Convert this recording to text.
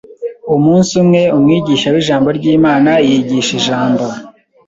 umnsi umwe umwigisha w’ijambo ry’Imana yigisha ijambo